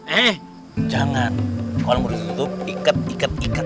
eh jangan kalau mau di kerudung ikat ikat ikat